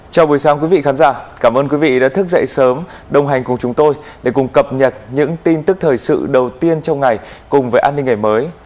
chào buổi sáng quý vị khán giả cảm ơn quý vị đã thức dậy sớm đồng hành cùng chúng tôi để cùng cập nhật những tin tức thời sự đầu tiên trong ngày cùng với an ninh ngày mới